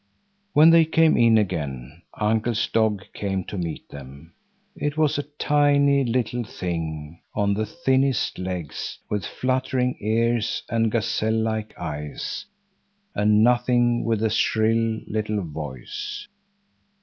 When they came in again, Uncle's dog came to meet them. It was a tiny, little thing on the thinnest legs, with fluttering ears and gazelle like eyes; a nothing with a shrill, little voice.